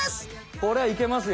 これはいけますよ！